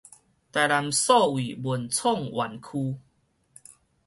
臺南數位文創園區